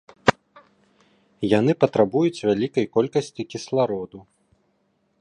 Яны патрабуюць вялікай колькасці кіслароду.